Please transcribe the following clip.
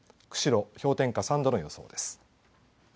釧路、氷点下３度の予想です。